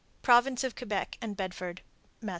_Province of Quebec and Bedford, Mass.